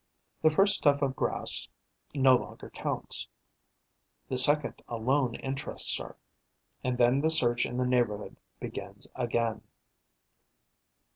The first tuft of grass no longer counts; the second alone interests her. And then the search in the neighbourhood begins again.